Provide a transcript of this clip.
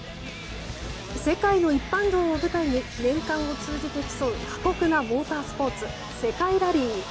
世界の一般道を舞台に年間を通じて競う過酷なモータースポーツ世界ラリー。